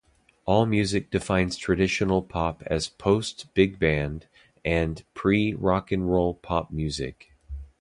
AllMusic defines traditional pop as post-big band and pre-rock and roll pop music.